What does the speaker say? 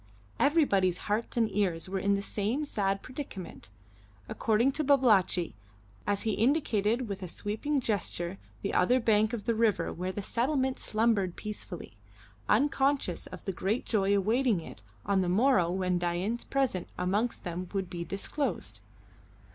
Everybody's hearts and ears were in the same sad predicament, according to Babalatchi, as he indicated with a sweeping gesture the other bank of the river where the settlement slumbered peacefully, unconscious of the great joy awaiting it on the morrow when Dain's presence amongst them would be disclosed.